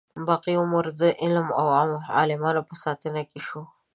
باقي عمر د علم او عالمانو په ساتنه کې شو.